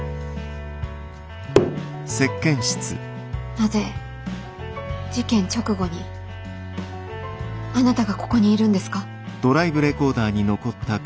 なぜ事件直後にあなたがここにいるんですか？